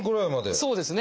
そうですよね。